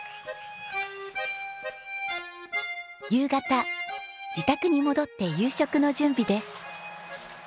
夕方自宅に戻って夕食の準備です。